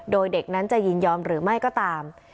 โดยเด็กนั้นจะยินยอมหรือไม่ก็ตาม